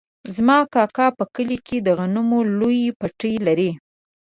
زما کاکا په کلي کې د غنمو لوی پټی لري.